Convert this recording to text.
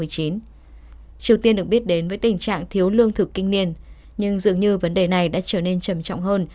triều tiên được biết đến với tình trạng thiếu lương thực kinh niên nhưng dường như vấn đề này đã trở nên trầm trọng hơn